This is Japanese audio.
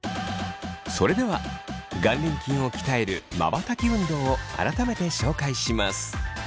それでは眼輪筋を鍛えるまばたき運動を改めて紹介します。